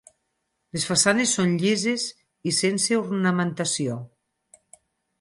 Les façanes són llises i sense ornamentació.